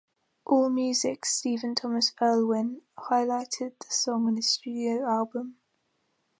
AllMusic's Stephen Thomas Erlewine highlighted the song on its studio album.